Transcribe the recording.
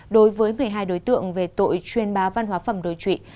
đối với một mươi hai đối tượng về tội chuyên bá văn hóa phẩm đối trụy